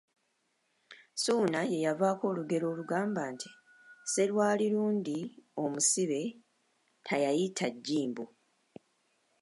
Suuna ye yavaako olugero olugamba nti, ‘Serwali lundi omusibe tayaita jjimbo.`